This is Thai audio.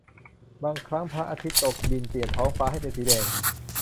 บางครั้งพระอาทิตย์ตกดินเปลี่ยนท้องฟ้าให้เป็นสีแดง